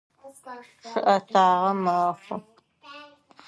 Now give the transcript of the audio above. Чъыӏэтагъэ мэхъу.